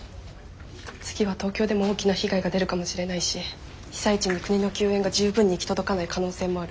次は東京でも大きな被害が出るかもしれないし被災地に国の救援が十分に行き届かない可能性もある。